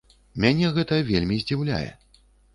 Мяне гэта вельмі здзіўляе.